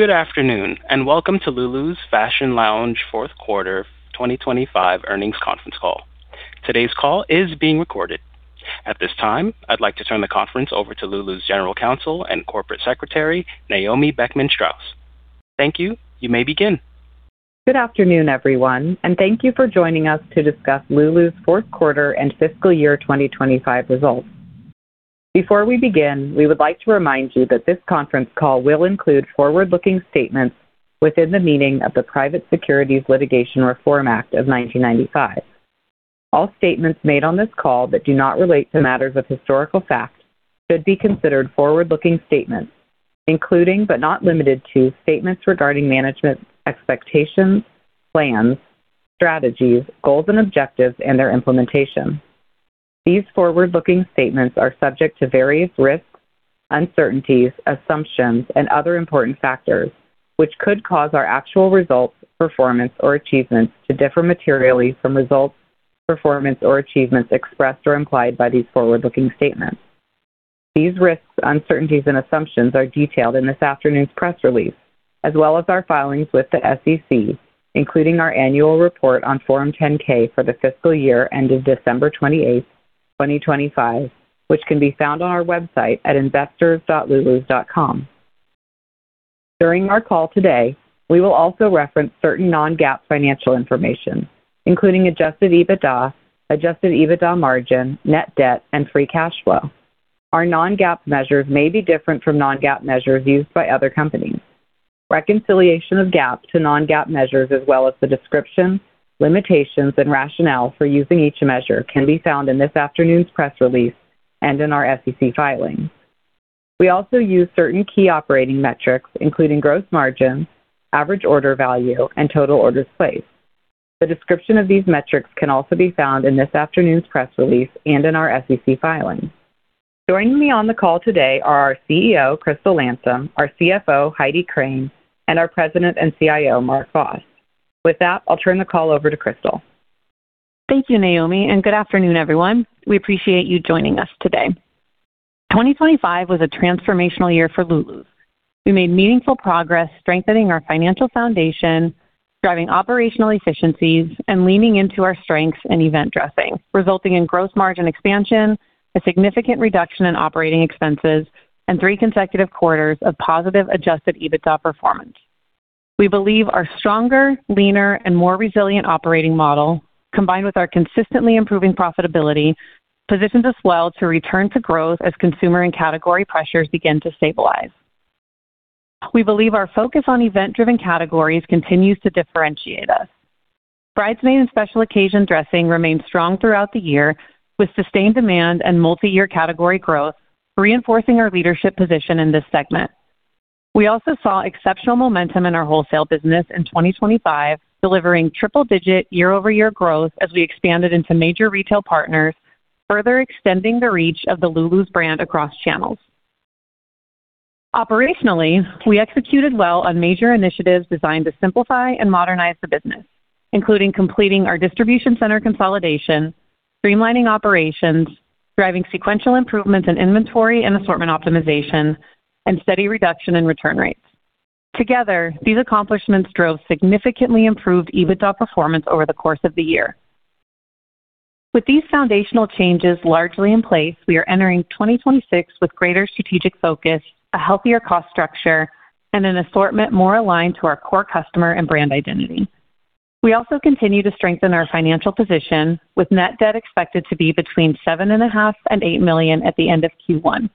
Good afternoon, and welcome to Lulu's Fashion Lounge fourth quarter 2025 earnings conference call. Today's call is being recorded. At this time, I'd like to turn the conference over to Lulus' General Counsel and Corporate Secretary, Naomi Beckman-Straus. Thank you. You may begin. Good afternoon, everyone, and thank you for joining us to discuss Lulus fourth quarter and fiscal year 2025 results. Before we begin, we would like to remind you that this conference call will include forward-looking statements within the meaning of the Private Securities Litigation Reform Act of 1995. All statements made on this call that do not relate to matters of historical fact should be considered forward-looking statements, including, but not limited to, statements regarding management expectations, plans, strategies, goals and objectives, and their implementation. These forward-looking statements are subject to various risks, uncertainties, assumptions, and other important factors which could cause our actual results, performance, or achievements to differ materially from results, performance, or achievements expressed or implied by these forward-looking statements. These risks, uncertainties, and assumptions are detailed in this afternoon's press release, as well as our filings with the SEC, including our annual report on Form 10-K for the fiscal year ended December 28, 2025, which can be found on our website at investors.lulus.com. During our call today, we will also reference certain non-GAAP financial information including adjusted EBITDA, adjusted EBITDA margin, net debt, and free cash flow. Our non-GAAP measures may be different from non-GAAP measures used by other companies. Reconciliation of GAAP to non-GAAP measures as well as the description, limitations, and rationale for using each measure can be found in this afternoon's press release and in our SEC filings. We also use certain key operating metrics, including gross margin, average order value, and total orders placed. The description of these metrics can also be found in this afternoon's press release and in our SEC filings. Joining me on the call today are our CEO, Crystal Landsem, our CFO, Heidi Crane, and our President and CIO, Mark Vos. With that, I'll turn the call over to Crystal. Thank you, Naomi, and good afternoon, everyone. We appreciate you joining us today. 2025 was a transformational year for Lulus. We made meaningful progress strengthening our financial foundation, driving operational efficiencies, and leaning into our strengths in event dressing, resulting in gross margin expansion, a significant reduction in operating expenses, and three consecutive quarters of positive adjusted EBITDA performance. We believe our stronger, leaner, and more resilient operating model, combined with our consistently improving profitability, positions us well to return to growth as consumer and category pressures begin to stabilize. We believe our focus on event-driven categories continues to differentiate us. Bridesmaid and special occasion dressing remained strong throughout the year with sustained demand and multi-year category growth, reinforcing our leadership position in this segment. We also saw exceptional momentum in our wholesale business in 2025, delivering triple-digit year-over-year growth as we expanded into major retail partners, further extending the reach of the Lulus brand across channels. Operationally, we executed well on major initiatives designed to simplify and modernize the business, including completing our distribution center consolidation, streamlining operations, driving sequential improvements in inventory and assortment optimization, and steady reduction in return rates. Together, these accomplishments drove significantly improved EBITDA performance over the course of the year. With these foundational changes largely in place, we are entering 2026 with greater strategic focus, a healthier cost structure, and an assortment more aligned to our core customer and brand identity. We also continue to strengthen our financial position, with net debt expected to be between $7.5 million and $8 million at the end of Q1.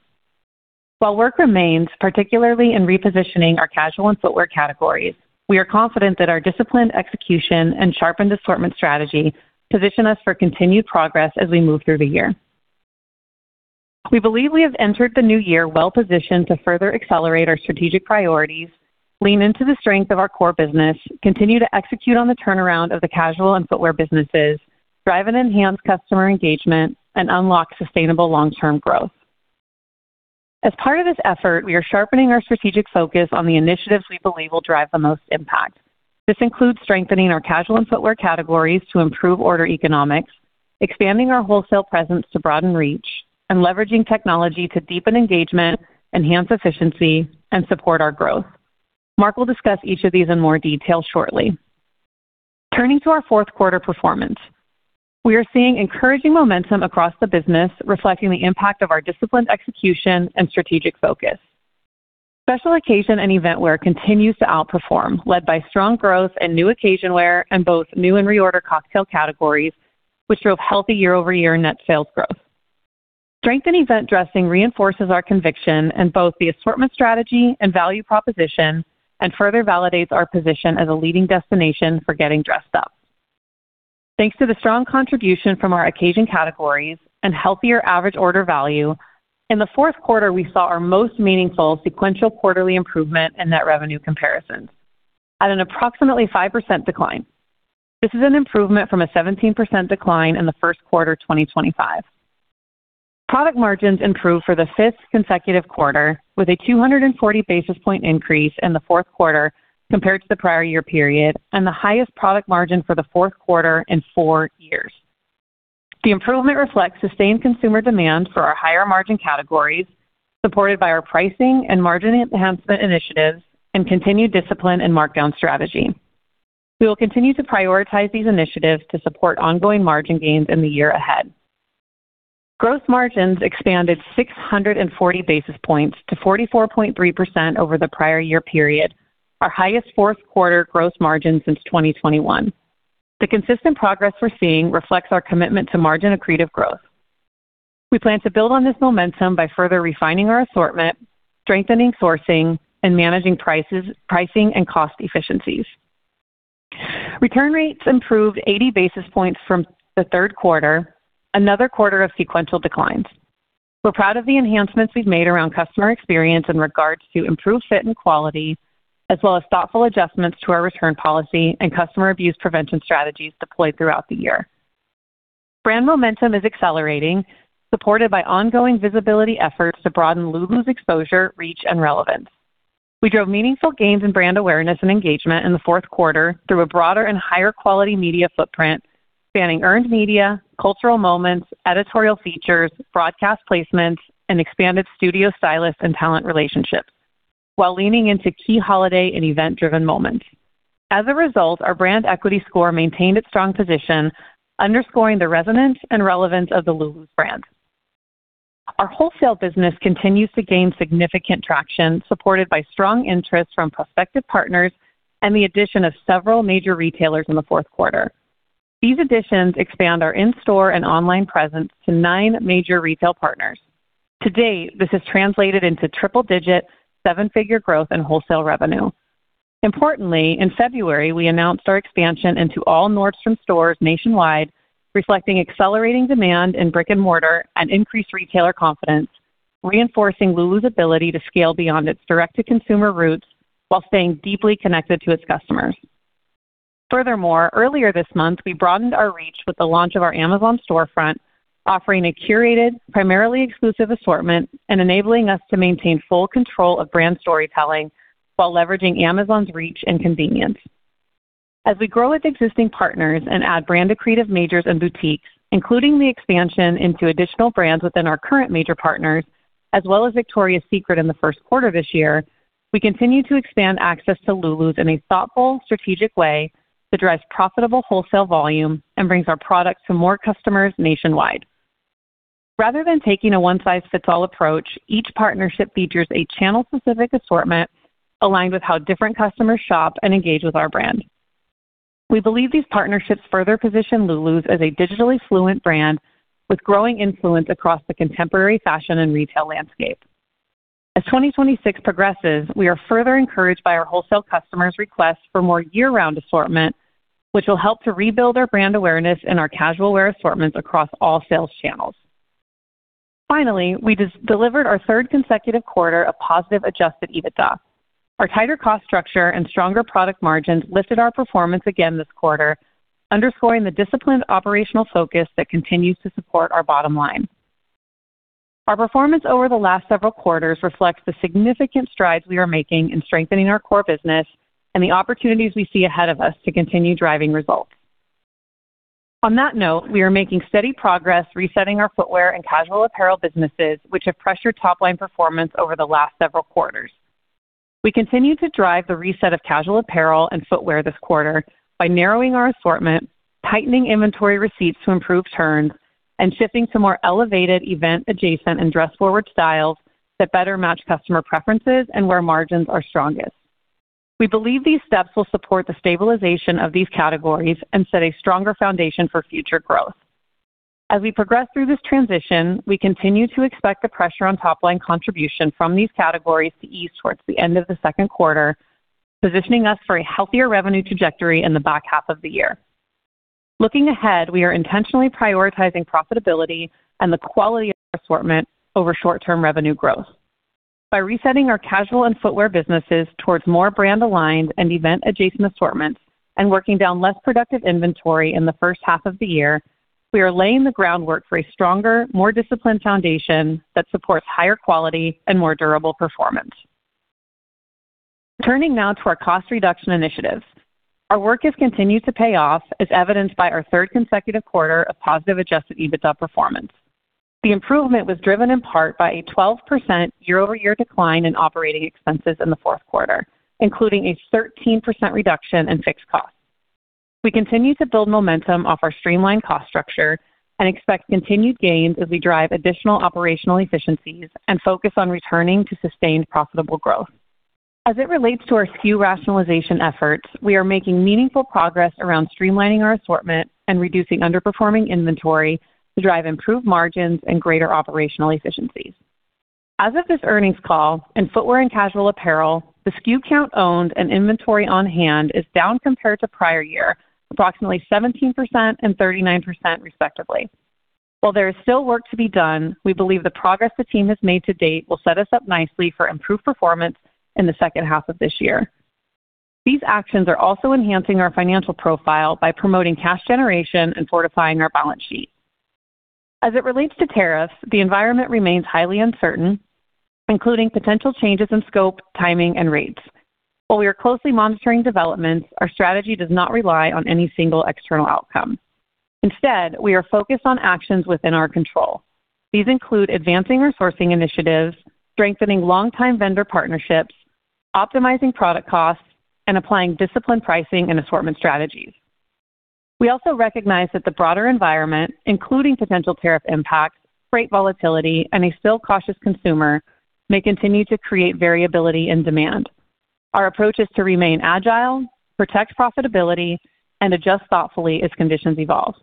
While work remains, particularly in repositioning our casual and footwear categories, we are confident that our disciplined execution and sharpened assortment strategy position us for continued progress as we move through the year. We believe we have entered the new year well-positioned to further accelerate our strategic priorities, lean into the strength of our core business, continue to execute on the turnaround of the casual and footwear businesses, drive and enhance customer engagement, and unlock sustainable long-term growth. As part of this effort, we are sharpening our strategic focus on the initiatives we believe will drive the most impact. This includes strengthening our casual and footwear categories to improve order economics, expanding our wholesale presence to broaden reach, and leveraging technology to deepen engagement, enhance efficiency, and support our growth. Mark will discuss each of these in more detail shortly. Turning to our fourth quarter performance. We are seeing encouraging momentum across the business, reflecting the impact of our disciplined execution and strategic focus. Special occasion and event wear continues to outperform, led by strong growth and new occasion wear in both new and reorder cocktail categories, which drove healthy year-over-year net sales growth. Strength in event dressing reinforces our conviction in both the assortment strategy and value proposition and further validates our position as a leading destination for getting dressed up. Thanks to the strong contribution from our occasion categories and healthier average order value, in the fourth quarter, we saw our most meaningful sequential quarterly improvement in net revenue comparisons at an approximately 5% decline. This is an improvement from a 17% decline in the first quarter 2025. Product margins improved for the fifth consecutive quarter, with a 240 basis points increase in the fourth quarter compared to the prior year period and the highest product margin for the fourth quarter in four years. The improvement reflects sustained consumer demand for our higher margin categories, supported by our pricing and margin enhancement initiatives and continued discipline and markdown strategy. We will continue to prioritize these initiatives to support ongoing margin gains in the year ahead. Gross margins expanded 640 basis points to 44.3% over the prior year period, our highest fourth quarter gross margin since 2021. The consistent progress we're seeing reflects our commitment to margin accretive growth. We plan to build on this momentum by further refining our assortment, strengthening sourcing, and managing prices, pricing and cost efficiencies. Return rates improved 80 basis points from the third quarter, another quarter of sequential declines. We're proud of the enhancements we've made around customer experience in regards to improved fit and quality, as well as thoughtful adjustments to our return policy and customer abuse prevention strategies deployed throughout the year. Brand momentum is accelerating, supported by ongoing visibility efforts to broaden Lulus' exposure, reach, and relevance. We drove meaningful gains in brand awareness and engagement in the fourth quarter through a broader and higher quality media footprint, spanning earned media, cultural moments, editorial features, broadcast placements, and expanded studio stylists and talent relationships, while leaning into key holiday and event-driven moments. As a result, our brand equity score maintained its strong position, underscoring the resonance and relevance of the Lulus brand. Our wholesale business continues to gain significant traction, supported by strong interest from prospective partners and the addition of several major retailers in the fourth quarter. These additions expand our in-store and online presence to nine major retail partners. To date, this has translated into triple-digit, seven-figure growth in wholesale revenue. Importantly, in February, we announced our expansion into all Nordstrom stores nationwide, reflecting accelerating demand in brick-and-mortar and increased retailer confidence, reinforcing Lulus' ability to scale beyond its direct-to-consumer roots while staying deeply connected to its customers. Furthermore, earlier this month, we broadened our reach with the launch of our Amazon storefront, offering a curated, primarily exclusive assortment and enabling us to maintain full control of brand storytelling while leveraging Amazon's reach and convenience. As we grow with existing partners and add brand accretive majors and boutiques, including the expansion into additional brands within our current major partners, as well as Victoria's Secret in the first quarter this year, we continue to expand access to Lulus' in a thoughtful, strategic way to drive profitable wholesale volume and bring our products to more customers nationwide. Rather than taking a one-size-fits-all approach, each partnership features a channel-specific assortment aligned with how different customers shop and engage with our brand. We believe these partnerships further position Lulus' as a digitally fluent brand with growing influence across the contemporary fashion and retail landscape. As 2026 progresses, we are further encouraged by our wholesale customers' requests for more year-round assortment, which will help to rebuild our brand awareness and our casual wear assortments across all sales channels. Finally, we delivered our third consecutive quarter of positive adjusted EBITDA. Our tighter cost structure and stronger product margins lifted our performance again this quarter, underscoring the disciplined operational focus that continues to support our bottom line. Our performance over the last several quarters reflects the significant strides we are making in strengthening our core business and the opportunities we see ahead of us to continue driving results. On that note, we are making steady progress resetting our footwear and casual apparel businesses, which have pressured top-line performance over the last several quarters. We continue to drive the reset of casual apparel and footwear this quarter by narrowing our assortment, tightening inventory receipts to improve turns, and shifting to more elevated event adjacent and dress-forward styles that better match customer preferences and where margins are strongest. We believe these steps will support the stabilization of these categories and set a stronger foundation for future growth. As we progress through this transition, we continue to expect the pressure on top-line contribution from these categories to ease towards the end of the second quarter, positioning us for a healthier revenue trajectory in the back half of the year. Looking ahead, we are intentionally prioritizing profitability and the quality of our assortment over short-term revenue growth. By resetting our casual and footwear businesses towards more brand-aligned and event adjacent assortments and working down less productive inventory in the first half of the year, we are laying the groundwork for a stronger, more disciplined foundation that supports higher quality and more durable performance. Turning now to our cost reduction initiatives. Our work has continued to pay off, as evidenced by our third consecutive quarter of positive adjusted EBITDA performance. The improvement was driven in part by a 12% year-over-year decline in operating expenses in the fourth quarter, including a 13% reduction in fixed costs. We continue to build momentum off our streamlined cost structure and expect continued gains as we drive additional operational efficiencies and focus on returning to sustained profitable growth. As it relates to our SKU rationalization efforts, we are making meaningful progress around streamlining our assortment and reducing underperforming inventory to drive improved margins and greater operational efficiencies. As of this earnings call, in footwear and casual apparel, the SKU count owned and inventory on-hand is down compared to prior year, approximately 17% and 39% respectively. While there is still work to be done, we believe the progress the team has made to date will set us up nicely for improved performance in the second half of this year. These actions are also enhancing our financial profile by promoting cash generation and fortifying our balance sheet. As it relates to tariffs, the environment remains highly uncertain, including potential changes in scope, timing, and rates. While we are closely monitoring developments, our strategy does not rely on any single external outcome. Instead, we are focused on actions within our control. These include advancing resourcing initiatives, strengthening long-time vendor partnerships, optimizing product costs, and applying disciplined pricing and assortment strategies. We also recognize that the broader environment, including potential tariff impacts, freight volatility, and a still cautious consumer, may continue to create variability in demand. Our approach is to remain agile, protect profitability, and adjust thoughtfully as conditions evolve.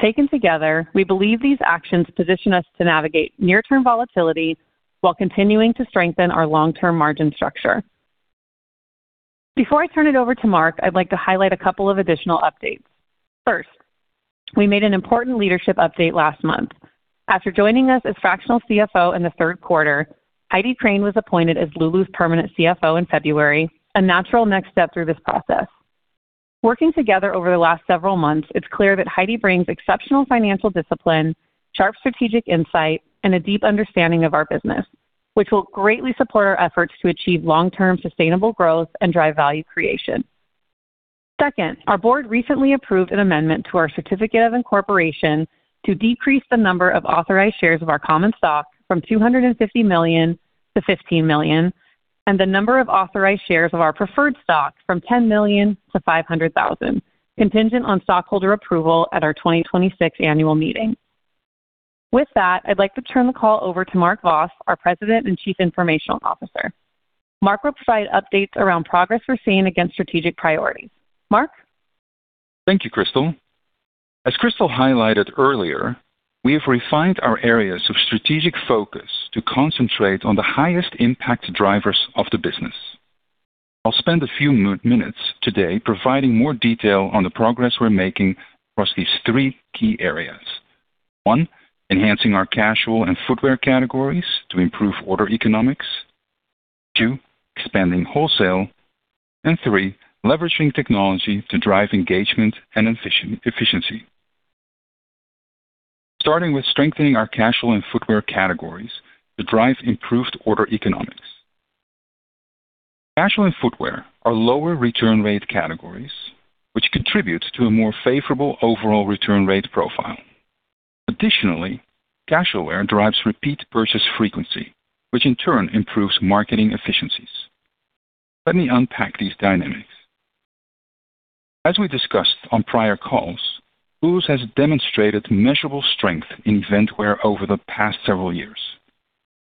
Taken together, we believe these actions position us to navigate near-term volatility while continuing to strengthen our long-term margin structure. Before I turn it over to Mark, I'd like to highlight a couple of additional updates. First, we made an important leadership update last month. After joining us as fractional CFO in the third quarter, Heidi Crane was appointed as Lulus' permanent CFO in February, a natural next step through this process. Working together over the last several months, it's clear that Heidi brings exceptional financial discipline, sharp strategic insight, and a deep understanding of our business, which will greatly support our efforts to achieve long-term sustainable growth and drive value creation. Second, our board recently approved an amendment to our certificate of incorporation to decrease the number of authorized shares of our common stock from 250 million to 15 million, and the number of authorized shares of our preferred stock from 10 million to 500,000, contingent on stockholder approval at our 2026 annual meeting. With that, I'd like to turn the call over to Mark Vos, our President and Chief Information Officer. Mark will provide updates around progress we're seeing against strategic priorities. Mark? Thank you, Crystal. As Crystal highlighted earlier, we have refined our areas of strategic focus to concentrate on the highest impact drivers of the business. I'll spend a few minutes today providing more detail on the progress we're making across these three key areas. One, enhancing our casual and footwear categories to improve order economics. Two, expanding wholesale. And three, leveraging technology to drive engagement and efficiency. Starting with strengthening our casual and footwear categories to drive improved order economics. Casual and footwear are lower return rate categories, which contribute to a more favorable overall return rate profile. Additionally, casual wear drives repeat purchase frequency, which in turn improves marketing efficiencies. Let me unpack these dynamics. As we discussed on prior calls, Lulus has demonstrated measurable strength in event wear over the past several years.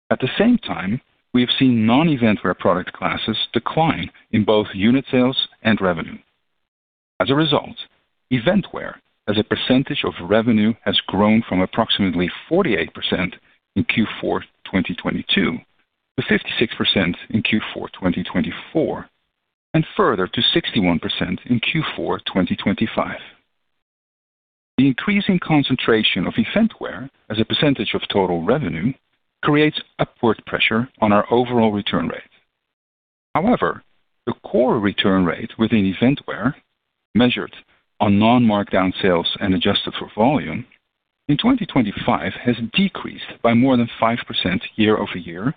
At the same time, we have seen non-event wear product classes decline in both unit sales and revenue. As a result, event wear as a percentage of revenue has grown from approximately 48% in Q4 2022 to 56% in Q4 2024, and further to 61% in Q4 2025. The increasing concentration of event wear as a percentage of total revenue creates upward pressure on our overall return rate. However, the core return rate within event wear, measured on non-markdown sales and adjusted for volume, in 2025 has decreased by more than 5% year-over-year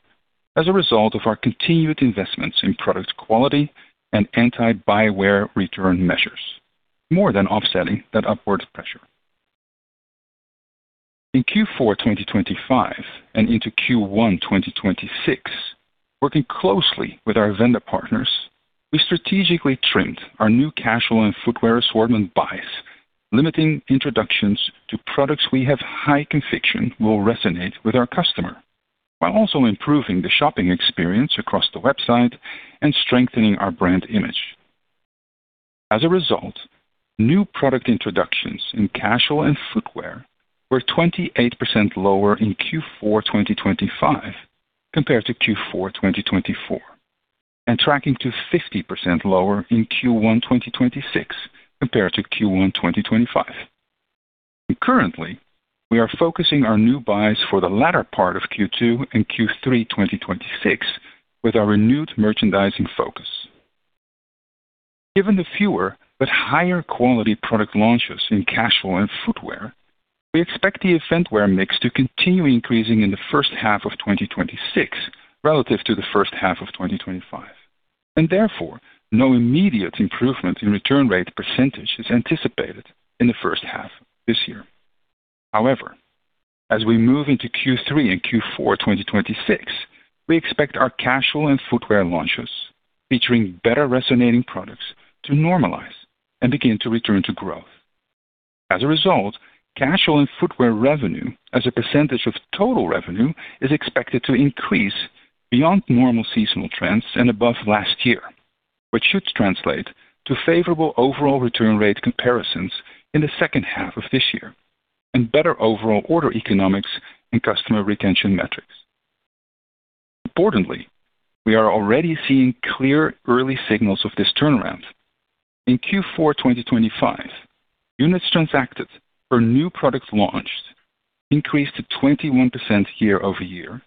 as a result of our continued investments in product quality and anti-buy-and-wear return measures, more than offsetting that upward pressure. In Q4 2025 and into Q1 2026, working closely with our vendor partners, we strategically trimmed our new casual and footwear assortment buys, limiting introductions to products we have high conviction will resonate with our customer, while also improving the shopping experience across the website and strengthening our brand image. As a result, new product introductions in casual and footwear were 28% lower in Q4 2025 compared to Q4 2024, and tracking to 50% lower in Q1 2026 compared to Q1 2025. Currently, we are focusing our new buys for the latter part of Q2 and Q3 2026 with our renewed merchandising focus. Given the fewer but higher quality product launches in casual and footwear, we expect the event wear mix to continue increasing in the first half of 2026 relative to the first half of 2025, and therefore, no immediate improvement in return rate percentage is anticipated in the first half this year. However, as we move into Q3 and Q4 2026, we expect our casual and footwear launches, featuring better resonating products, to normalize and begin to return to growth. As a result, casual and footwear revenue as a percentage of total revenue is expected to increase beyond normal seasonal trends and above last year, which should translate to favorable overall return rate comparisons in the second half of this year and better overall order economics and customer retention metrics. Importantly, we are already seeing clear early signals of this turnaround. In Q4 2025, units transacted per new product launched increased to 21% year-over-year.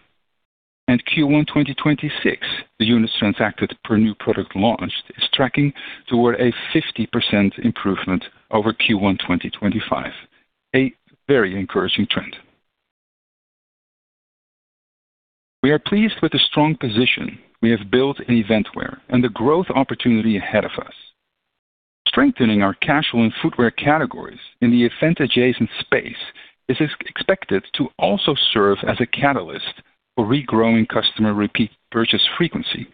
In Q1 2026, the units transacted per new product launched is tracking toward a 50% improvement over Q1 2025. A very encouraging trend. We are pleased with the strong position we have built in event wear and the growth opportunity ahead of us. Strengthening our casual and footwear categories in the event adjacent space is expected to also serve as a catalyst for regrowing customer repeat purchase frequency.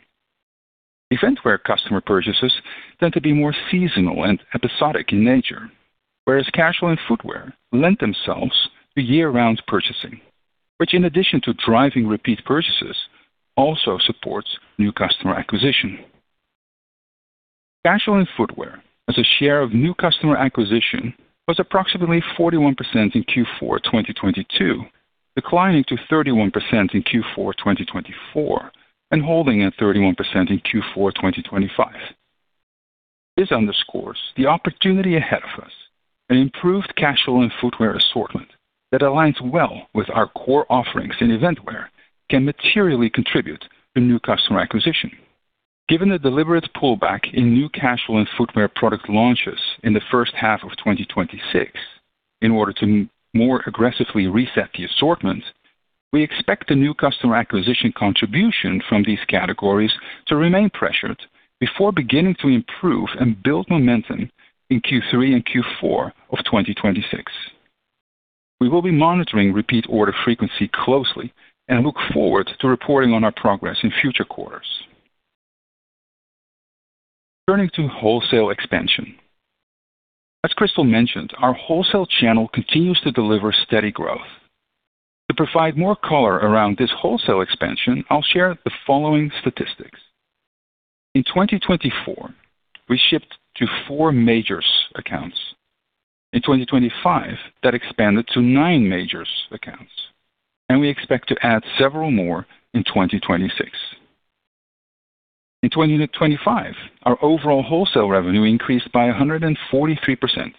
Event wear customer purchases tend to be more seasonal and episodic in nature, whereas casual and footwear lend themselves to year-round purchasing, which in addition to driving repeat purchases, also supports new customer acquisition. Casual and footwear as a share of new customer acquisition was approximately 41% in Q4 2022, declining to 31% in Q4 2024, and holding at 31% in Q4 2025. This underscores the opportunity ahead of us, an improved casual and footwear assortment that aligns well with our core offerings in event wear can materially contribute to new customer acquisition. Given the deliberate pullback in new casual and footwear product launches in the first half of 2026, in order to more aggressively reset the assortment, we expect the new customer acquisition contribution from these categories to remain pressured before beginning to improve and build momentum in Q3 and Q4 of 2026. We will be monitoring repeat order frequency closely and look forward to reporting on our progress in future quarters. Turning to wholesale expansion. As Crystal mentioned, our wholesale channel continues to deliver steady growth. To provide more color around this wholesale expansion, I'll share the following statistics. In 2024, we shipped to four major accounts. In 2025, that expanded to nine major accounts, and we expect to add several more in 2026. In 2025, our overall wholesale revenue increased by 143%,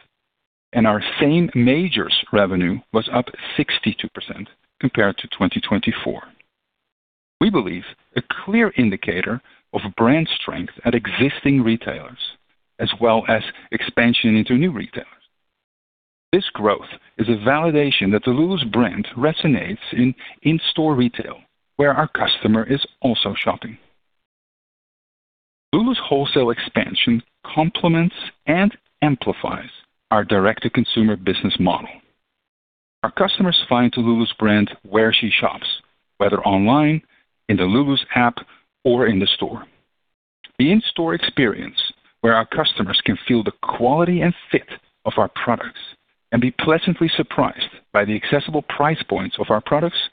and our same major revenue was up 62% compared to 2024. We believe this is a clear indicator of brand strength at existing retailers, as well as expansion into new retailers. This growth is a validation that the Lulus brand resonates in-store retail where our customer is also shopping. Lulus wholesale expansion complements and amplifies our direct-to-consumer business model. Our customers find Lulus brand where she shops, whether online, in the Lulus app, or in the store. The in-store experience, where our customers can feel the quality and fit of our products and be pleasantly surprised by the accessible price points of our products,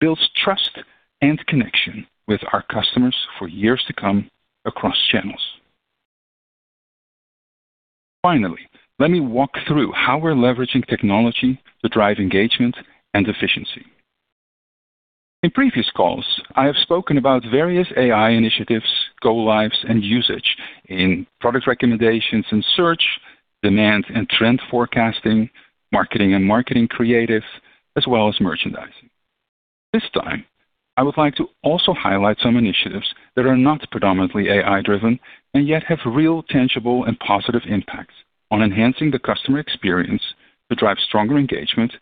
builds trust and connection with our customers for years to come across channels. Finally, let me walk through how we're leveraging technology to drive engagement and efficiency. In previous calls, I have spoken about various AI initiatives, go lives, and usage in product recommendations and search, demand and trend forecasting, marketing and marketing creative, as well as merchandising. This time, I would like to also highlight some initiatives that are not predominantly AI-driven and yet have real, tangible, and positive impact on enhancing the customer experience to drive stronger engagement,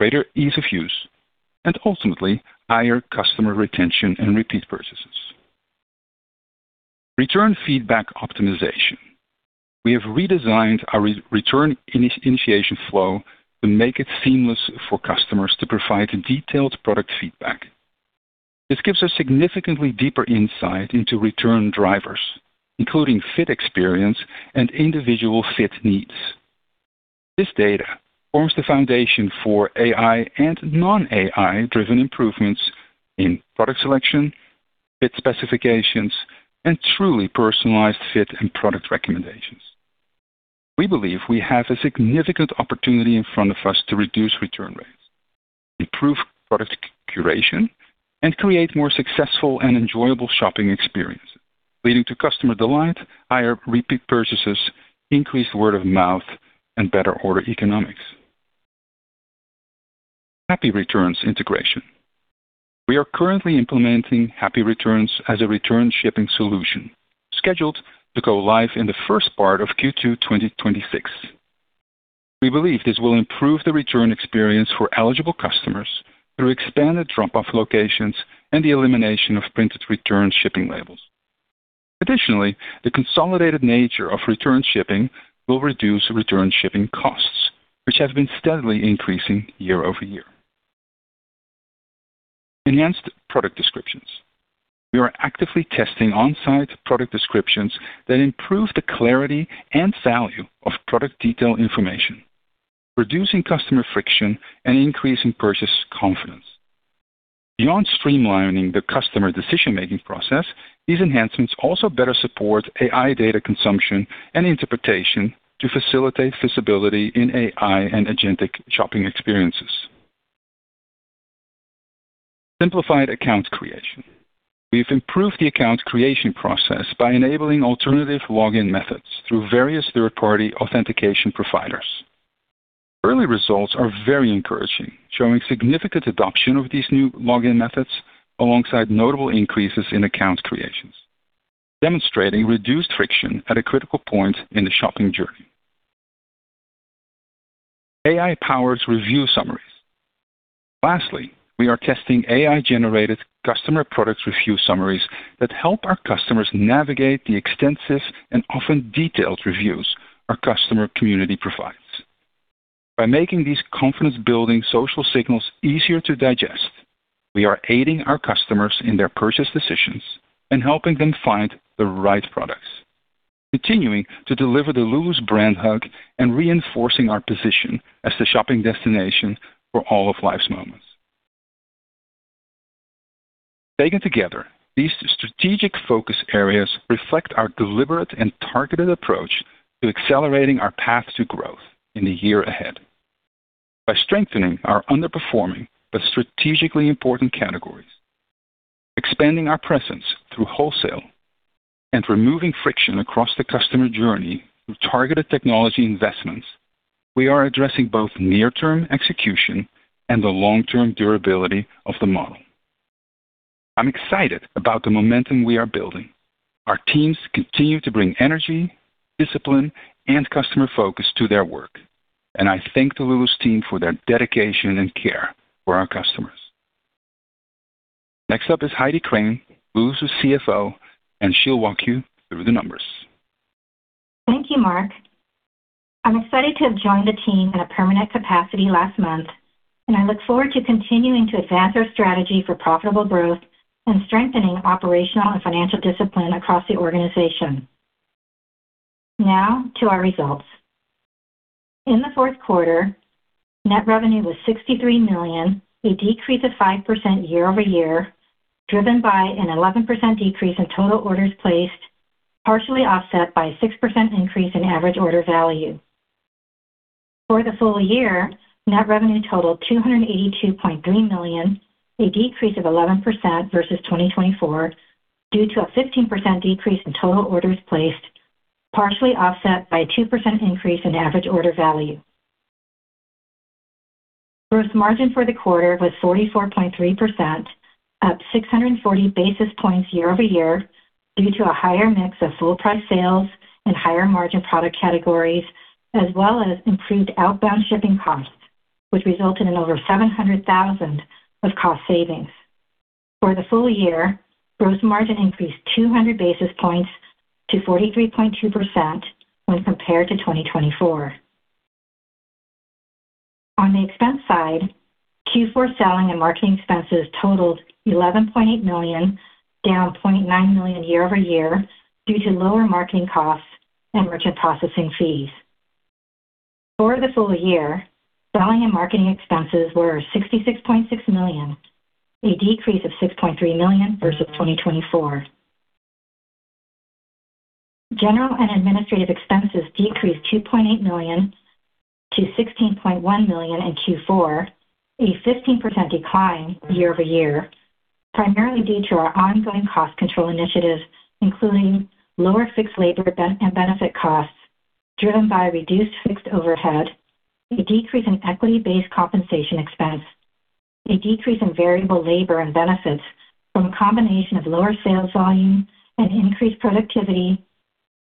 greater ease of use, and ultimately, higher customer retention and repeat purchases. Return feedback optimization. We have redesigned our return initiation flow to make it seamless for customers to provide detailed product feedback. This gives us significantly deeper insight into return drivers, including fit experience and individual fit needs. This data forms the foundation for AI and non-AI driven improvements in product selection, fit specifications, and truly personalized fit and product recommendations. We believe we have a significant opportunity in front of us to reduce return rates, improve product curation, and create more successful and enjoyable shopping experiences, leading to customer delight, higher repeat purchases, increased word of mouth, and better order economics. Happy Returns integration. We are currently implementing Happy Returns as a return shipping solution, scheduled to go live in the first part of Q2 2026. We believe this will improve the return experience for eligible customers through expanded drop-off locations and the elimination of printed return shipping labels. Additionally, the consolidated nature of return shipping will reduce return shipping costs, which have been steadily increasing year-over-year. Enhanced product descriptions. We are actively testing on-site product descriptions that improve the clarity and value of product detail information, reducing customer friction, and increasing purchase confidence. Beyond streamlining the customer decision-making process, these enhancements also better support AI data consumption and interpretation to facilitate feasibility in AI and agentic shopping experiences. Simplified account creation. We've improved the account creation process by enabling alternative login methods through various third-party authentication providers. Early results are very encouraging, showing significant adoption of these new login methods alongside notable increases in account creations, demonstrating reduced friction at a critical point in the shopping journey. AI-powered review summaries. Lastly, we are testing AI-generated customer product review summaries that help our customers navigate the extensive and often detailed reviews our customer community provides. By making these confidence-building social signals easier to digest, we are aiding our customers in their purchase decisions and helping them find the right products, continuing to deliver the Lulus brand hug and reinforcing our position as the shopping destination for all of life's moments. Taken together, these strategic focus areas reflect our deliberate and targeted approach to accelerating our path to growth in the year ahead. By strengthening our underperforming but strategically important categories, expanding our presence through wholesale, and removing friction across the customer journey through targeted technology investments, we are addressing both near-term execution and the long-term durability of the model. I'm excited about the momentum we are building. Our teams continue to bring energy, discipline, and customer focus to their work. I thank the Lulus team for their dedication and care for our customers. Next up is Heidi Crane, Lulus' CFO, and she'll walk you through the numbers. Thank you, Mark. I'm excited to have joined the team in a permanent capacity last month, and I look forward to continuing to advance our strategy for profitable growth and strengthening operational and financial discipline across the organization. Now to our results. In the fourth quarter, net revenue was $63 million, a decrease of 5% year-over-year, driven by an 11% decrease in total orders placed, partially offset by a 6% increase in average order value. For the full year, net revenue totaled $282.3 million, a decrease of 11% versus 2024 due to a 15% decrease in total orders placed, partially offset by a 2% increase in average order value. Gross margin for the quarter was 44.3%, up 640 basis points year-over-year due to a higher mix of full price sales and higher margin product categories, as well as improved outbound shipping costs, which resulted in over $700,000 of cost savings. For the full year, gross margin increased 200 basis points to 43.2% when compared to 2024. On the expense side, Q4 selling and marketing expenses totaled $11.8 million, down $0.9 million year-over-year due to lower marketing costs and merchant processing fees. For the full year, selling and marketing expenses were $66.6 million, a decrease of $6.3 million versus 2024. General and administrative expenses decreased $2.8 million to $16.1 million in Q4, a 15% decline year-over-year, primarily due to our ongoing cost control initiatives, including lower fixed labor and benefit costs driven by reduced fixed overhead, a decrease in equity-based compensation expense, a decrease in variable labor and benefits from a combination of lower sales volume and increased productivity,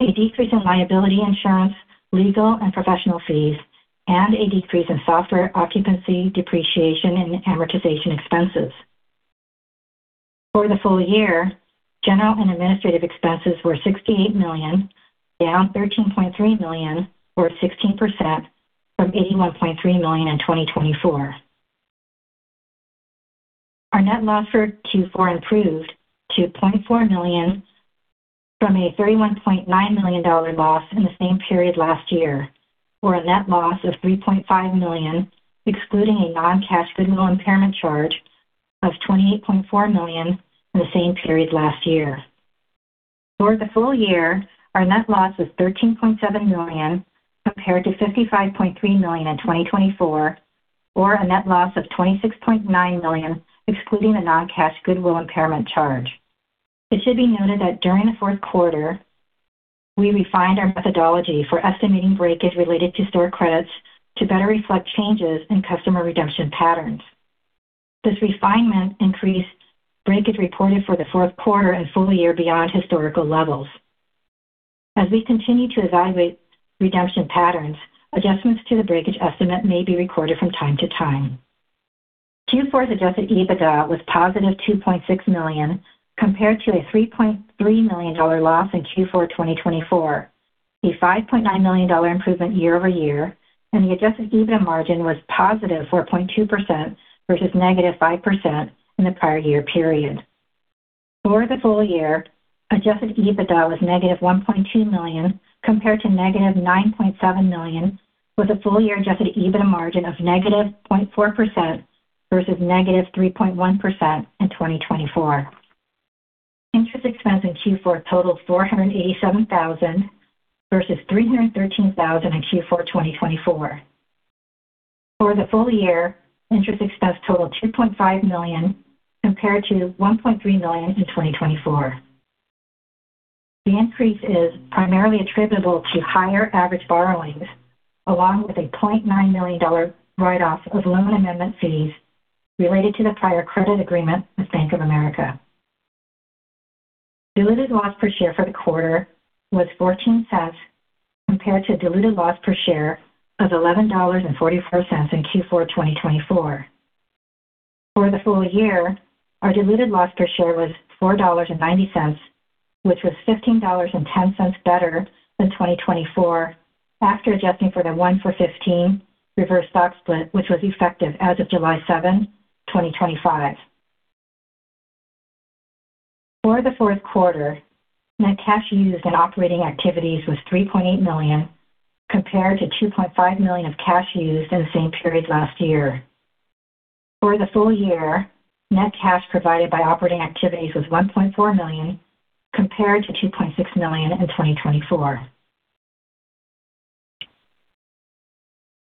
a decrease in liability insurance, legal and professional fees, and a decrease in software occupancy, depreciation and amortization expenses. For the full year, general and administrative expenses were $68 million, down $13.3 million or 16% from $81.3 million in 2024. Our net loss for Q4 improved to $0.4 million from a $31.9 million loss in the same period last year, or a net loss of $3.5 million, excluding a non-cash goodwill impairment charge of $28.4 million in the same period last year. For the full year, our net loss was $13.7 million compared to $55.3 million in 2024, or a net loss of $26.9 million excluding the non-cash goodwill impairment charge. It should be noted that during the fourth quarter, we refined our methodology for estimating breakage related to store credits to better reflect changes in customer redemption patterns. This refinement increased breakage reported for the fourth quarter and full year beyond historical levels. As we continue to evaluate redemption patterns, adjustments to the breakage estimate may be recorded from time to time. Q4's adjusted EBITDA was positive $2.6 million compared to a $3.3 million loss in Q4 2024, a $5.9 million improvement year-over-year, and the adjusted EBITDA margin was +4.2% versus -5% in the prior year period. For the full year, adjusted EBITDA was -$1.2 million compared to -$9.7 million, with a full-year adjusted EBITDA margin of -0.4% versus -3.1% in 2024. Interest expense in Q4 totaled $487,000 versus $313,000 in Q4 2024. For the full year, interest expense totaled $2.5 million compared to $1.3 million in 2024. The increase is primarily attributable to higher average borrowings, along with a $0.9 million write-off of loan amendment fees related to the prior credit agreement with Bank of America. Diluted loss per share for the quarter was $0.14, compared to diluted loss per share of $11.44 in Q4 2024. For the full year, our diluted loss per share was $4.90, which was $15.10 better than 2024 after adjusting for the one-for-15 reverse stock split, which was effective as of July 7, 2025. For the fourth quarter, net cash used in operating activities was $3.8 million, compared to $2.5 million of cash used in the same period last year. For the full year, net cash provided by operating activities was $1.4 million, compared to $2.6 million in 2024.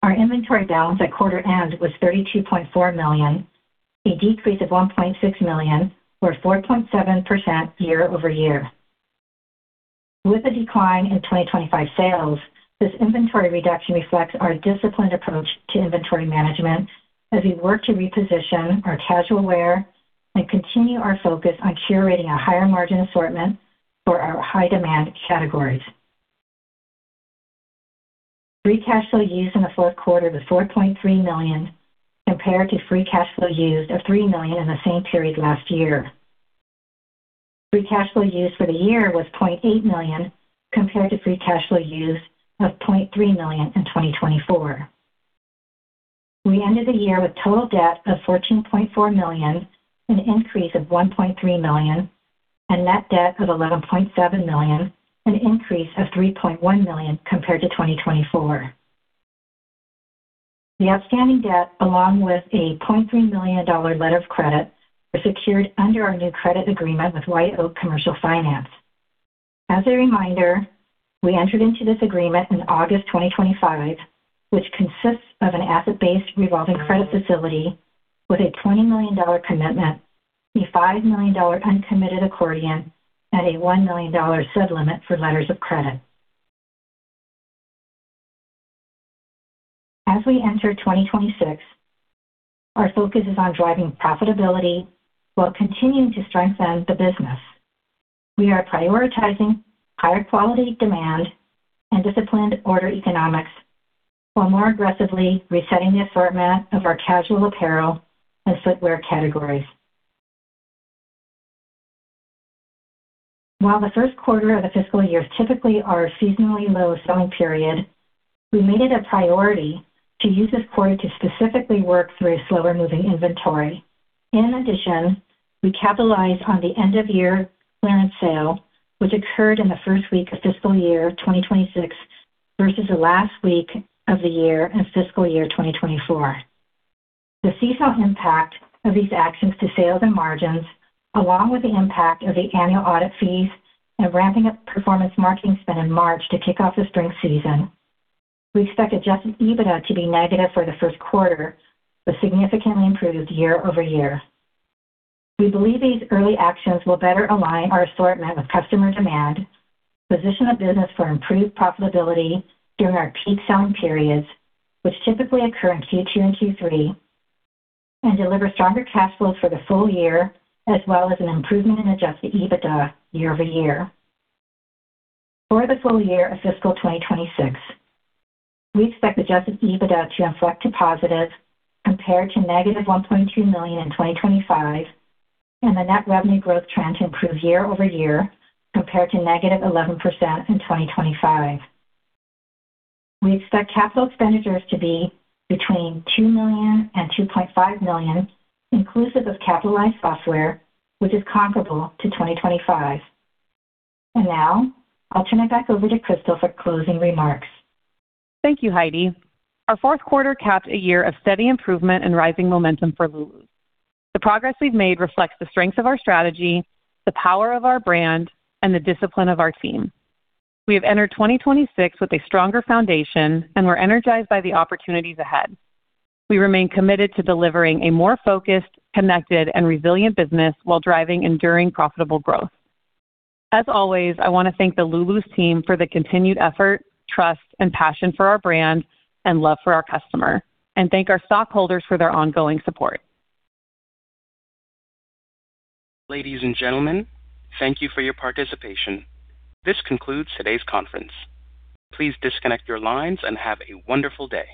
Our inventory balance at quarter end was $32.4 million, a decrease of $1.6 million, or 4.7% year-over-year. With the decline in 2025 sales, this inventory reduction reflects our disciplined approach to inventory management as we work to reposition our casual wear and continue our focus on curating a higher margin assortment for our high demand categories. Free cash flow used in the fourth quarter was $4.3 million, compared to free cash flow used of $3 million in the same period last year. Free cash flow used for the year was $0.8 million, compared to free cash flow used of $0.3 million in 2024. We ended the year with total debt of $14.4 million, an increase of $1.3 million, and net debt of $11.7 million, an increase of $3.1 million compared to 2024. The outstanding debt, along with a $0.3 million letter of credit, is secured under our new credit agreement with White Oak Commercial Finance. As a reminder, we entered into this agreement in August 2025, which consists of an asset-based revolving credit facility with a $20 million commitment, a $5 million uncommitted accordion, and a $1 million sublimit for letters of credit. As we enter 2026, our focus is on driving profitability while continuing to strengthen the business. We are prioritizing higher quality demand and disciplined order economics while more aggressively resetting the assortment of our casual apparel and footwear categories. While the first quarter of the fiscal year is typically our seasonally low selling period, we made it a priority to use this quarter to specifically work through a slower moving inventory. In addition, we capitalized on the end of year clearance sale, which occurred in the first week of fiscal year 2026 versus the last week of the year in fiscal year 2024. The seasonal impact of these actions to sales and margins, along with the impact of the annual audit fees and ramping up performance marketing spend in March to kick off the spring season, we expect adjusted EBITDA to be negative for the first quarter, but significantly improved year-over-year. We believe these early actions will better align our assortment with customer demand, position the business for improved profitability during our peak selling periods, which typically occur in Q2 and Q3, and deliver stronger cash flows for the full year, as well as an improvement in adjusted EBITDA year-over-year. For the full year of fiscal 2026, we expect adjusted EBITDA to inflect to positive compared to -$1.2 million in 2025, and the net revenue growth trend to improve year-over-year compared to -11% in 2025. We expect capital expenditures to be between $2 million and $2.5 million, inclusive of capitalized software, which is comparable to 2025. Now I'll turn it back over to Crystal for closing remarks. Thank you, Heidi. Our fourth quarter capped a year of steady improvement and rising momentum for Lulus. The progress we've made reflects the strengths of our strategy, the power of our brand, and the discipline of our team. We have entered 2026 with a stronger foundation, and we're energized by the opportunities ahead. We remain committed to delivering a more focused, connected, and resilient business while driving enduring profitable growth. As always, I wanna thank the Lulus team for the continued effort, trust and passion for our brand and love for our customer. Thank our stockholders for their ongoing support. Ladies and gentlemen, thank you for your participation. This concludes today's conference. Please disconnect your lines and have a wonderful day.